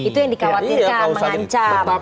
itu yang dikhawatirkan mengancam